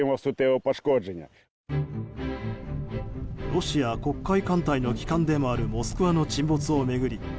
ロシア黒海艦隊の旗艦でもある「モスクワ」の沈没を巡り